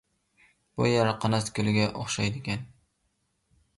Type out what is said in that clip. بۇ يەر قاناس كۆلىگە ئوخشايدىكەن.